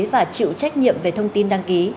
và chịu trách nhiệm về thông tin đăng ký